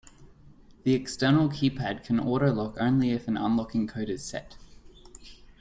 The external keypad can autolock only if an unlocking code is set.